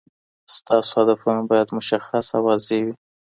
ستاسو هدفونه باید مشخص او واضح وي.